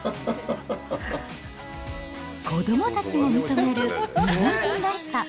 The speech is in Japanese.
子どもたちも認める日本人らしさ。